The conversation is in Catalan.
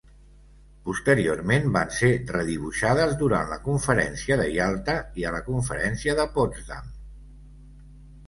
Posteriorment, van ser redibuixades durant la Conferència de Ialta i la Conferència de Potsdam.